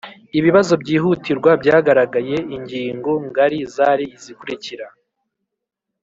Ibibazo byihutirwa byagaragaye ingingo ngari zari izikurikira